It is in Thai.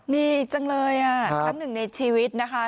มีจังเลยครั้งหนึ่งในชีวิตนะคะ